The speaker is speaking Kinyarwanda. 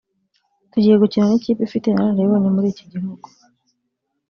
“Tugiye gukina n’ikipe ifite inararibonye muri iki gihugu